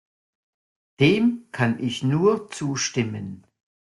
Dem kann ich nur zustimmen.